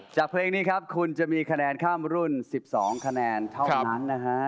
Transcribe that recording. เพลงนี้ครับคุณจะมีคะแนนข้ามรุ่น๑๒คะแนนเท่านั้นนะฮะ